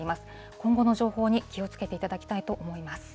今後の情報に気をつけていただきたいと思います。